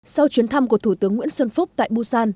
sau chuyến thăm của thủ tướng nguyễn xuân phúc tại busan